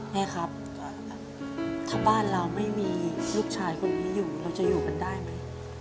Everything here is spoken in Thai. แม่ครับถ้าบ้านเราไม่มีลูกชายคนนี้อยู่เราจะอยู่กันได้ไหม